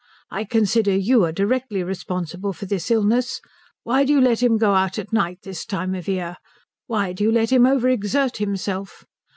I consider you are directly responsible for this illness. Why do you let him go out at night this time of year? Why do you let him over exert himself?